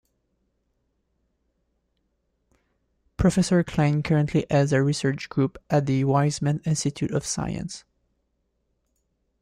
Professor Klein currently heads a research group at the Weizmann Institute of Science.